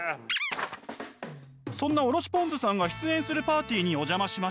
そんなおろしぽんづさんが出演するパーティーにお邪魔しました。